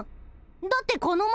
だってこの前。